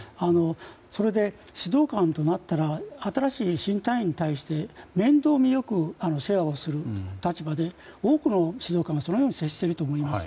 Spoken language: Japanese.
それで指導官となったら新しい新隊員に対して面倒見良く世話をする立場で多くの指導官がそのように接していると思います。